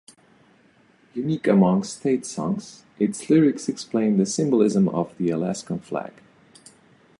Unique among state songs, its lyrics explain the symbolism of the Alaskan flag.